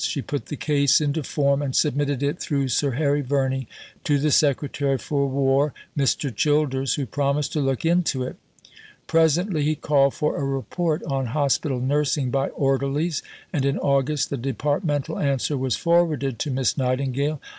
She put the case into form, and submitted it, through Sir Harry Verney, to the Secretary for War, Mr. Childers, who promised to look into it. Presently he called for a report on hospital nursing by orderlies, and in August the Departmental answer was forwarded to Miss Nightingale.